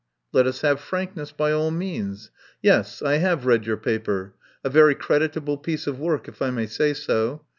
"Let us have frankness by all means. Yes, I have read your paper. A very creditable piece of work, if I may say so.